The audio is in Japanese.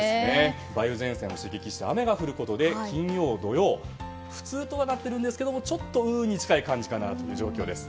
梅雨前線を刺激して雨が降ることで金曜日、土曜日普通とはなっているんですがちょっと、うーんに近い感じかなという感じです。